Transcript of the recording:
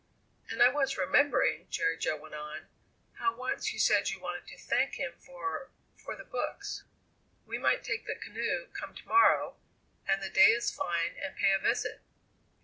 "And I was remembering," Jerry Jo went on, "how once you said you wanted to thank him for for the books. We might take the canoe, come to morrow, and the day is fine, and pay a visit."